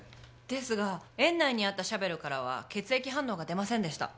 ですが園内にあったシャベルからは血液反応が出ませんでした。